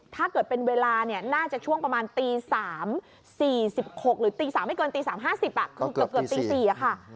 ถ้าเกิดเป็นเวลาเนี่ยน่าจะช่วงประมาณตี๓๔๖หรือตี๓ไม่เกินตี๓๕๐คือเกือบตี๔ค่ะ